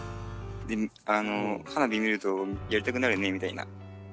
で「花火見るとやりたくなるね」みたいな。